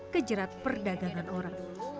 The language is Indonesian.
ke jerat perdagangan orang